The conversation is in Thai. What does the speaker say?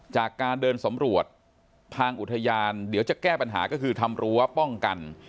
จากการเดินสำรวจทางอุทยานเดี๋ยวจะแก้ปัญหาก็คือทำรั้วป้องกัน